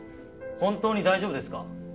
本当に大丈夫ですか？